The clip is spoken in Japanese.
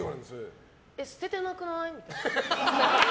捨ててなくない？みたいな。